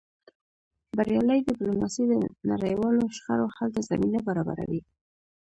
بریالۍ ډیپلوماسي د نړیوالو شخړو حل ته زمینه برابروي.